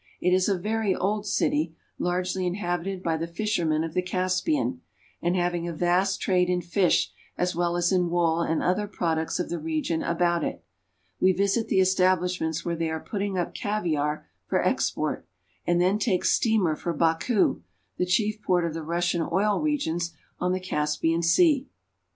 It is a very old city, largely inhabited by the fishermen of the Caspian, and having a vast trade in fish as well as in wool and other products of the region about it. We visit the establishments where they are putting up caviar for export, and then take steamer for Baku, the chief port of the Rus sian oil regions on the Caspian Sea.